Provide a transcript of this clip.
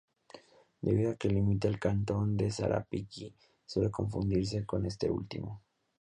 Debido a que limita con el cantón de Sarapiquí, suele confundirse con este último.